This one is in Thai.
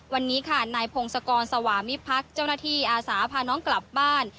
วันนี้ค่ะนายพงศกรสวามิพักษ์เจ้าหน้าที่อาสาพาน้องกลับบ้าน